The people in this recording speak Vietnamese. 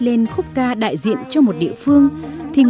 và người ta đi theo tự nhiên